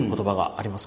あります。